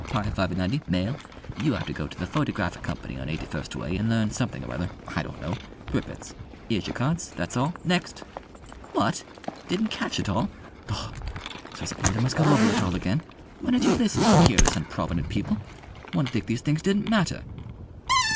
pi five and ninety, male; you 'ave to go to the Photographic Company on Eighty first Way, and learn something or other I don't know thrippence. 'Ere's y'r cards. That's all. Next! What? Didn't catch it all? Lor! So suppose I must go over it all again. Why don't you listen? Keerless, unprovident people! One'd think these things didn't matter."